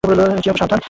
Chiyoko, সাবধান!